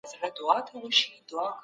انتقاد د سمون او اصلاحاتو پیل دی.